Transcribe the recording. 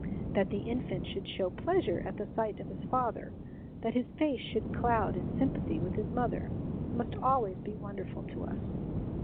That the infant should show pleasure at the sight of his father, that his face should cloud in sympathy with his mother, must always be wonderful to us.